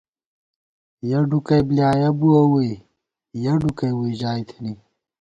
یَہ ڈُکَئی بۡلیایَہ بُوَہ ووئی ، یَہ ڈُکَئی ووئی ژائی تھنی